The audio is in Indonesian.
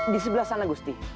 di sebelah sana gusti